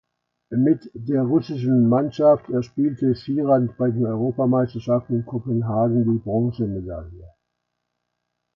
Mit der russischen Mannschaft erspielte Sirant bei den Europameisterschaften in Kopenhagen die Bronzemedaille.